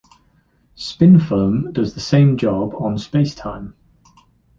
Spin foam does the same job on spacetime.